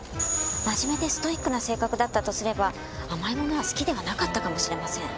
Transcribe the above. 真面目でストイックな性格だったとすれば甘いものは好きではなかったかもしれません。